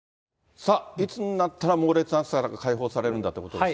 さあ、いつになったら猛烈な暑さから解放されるんだということなんです